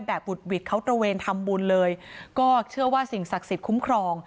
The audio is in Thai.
บุดหวิดเขาตระเวนทำบุญเลยก็เชื่อว่าสิ่งศักดิ์สิทธิ์คุ้มครอง